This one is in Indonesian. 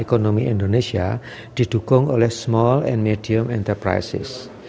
ekonomi indonesia didukung oleh small and medium enterprises